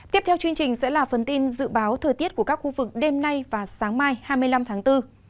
tiếp theo chương trình sẽ là phần tin dự báo thời tiết của các khu vực đêm nay và sáng mai hai mươi năm tháng bốn